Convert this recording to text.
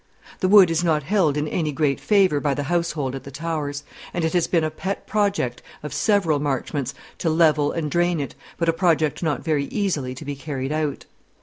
The wood is not held in any great favour by the household at the Towers; and it has been a pet project of several Marchmonts to level and drain it, but a project not very easily to be carried out.